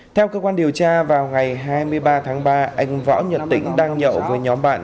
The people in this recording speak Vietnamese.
theo cơ quan điều tra vào ngày hai mươi ba tháng ba anh võ nhật tĩnh đang nhậu với nhóm bạn